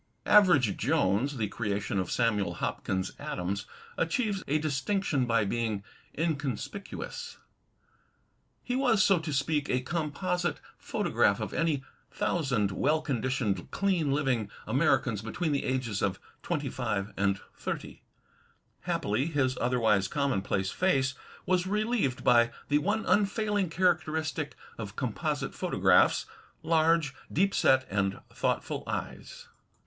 "Average Jones," the creation of Samuel Hopkins Adams, achieves a distinction by being inconspicuous: He was, so to speak, a composite photograph of any thousand well conditioned, clean living Americans between the ages of twenty PORTRAITS 163 five and thirty. Happily, his otherwise commonplace face was re lieved by the one unfailing characteristic of composite photographs, large, deep set and thoughtful eyes.